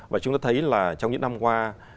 và chúng ta thấy là trong những năm qua